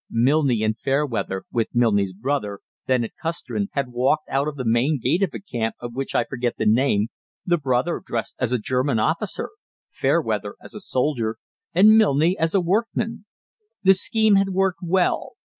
Milne and Fairweather, with Milne's brother, then at Custrin, had walked out of the main gate of a camp of which I forget the name, the brother dressed as a German officer, Fairweather as a soldier, and Milne as a workman. The scheme had worked well.